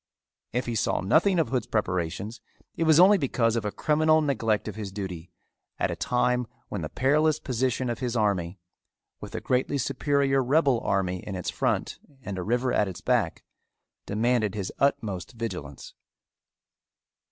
If he saw nothing of Hood's preparations, it was only because of a criminal neglect of his duty at a time when the perilous position of his army, with a greatly superior rebel army in its front and a river at its back, demanded his utmost vigilance.